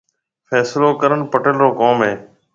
فيصلو ڪرڻ پيٽل رو ڪوم هيَ۔